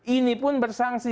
ini pun bersangsi